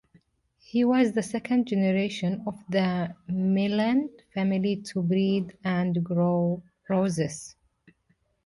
He was the second generation of the Meilland family to breed and grow roses.